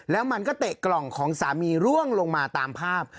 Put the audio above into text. แล้วมันก็เตะกล่องของสามีร่วงลงมาตามภาพ